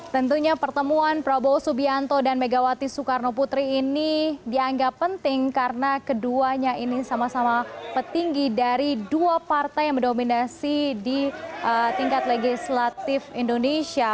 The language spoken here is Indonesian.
tentunya pertemuan prabowo subianto dan megawati soekarno putri ini dianggap penting karena keduanya ini sama sama petinggi dari dua partai yang mendominasi di tingkat legislatif indonesia